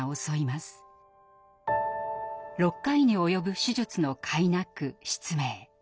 ６回に及ぶ手術のかいなく失明。